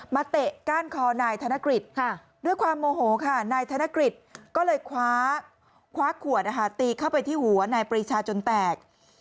เตะก้านคอนายธนกฤษด้วยความโมโหค่ะนายธนกฤษก็เลยคว้าขวดตีเข้าไปที่หัวนายปรีชาจนแตก